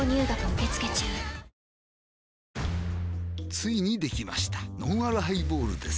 ついにできましたのんあるハイボールです